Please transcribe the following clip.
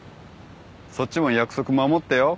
そっちも約束守ってよ。